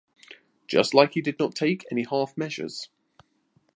Just like he did not take any half measures.